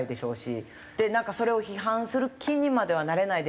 それを批判する気にまではなれないですね。